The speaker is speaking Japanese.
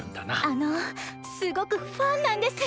あのすごくファンなんです。